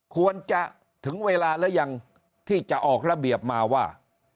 ควรจะถึงเวลาหรือยังที่จะออกระเบียบมาว่า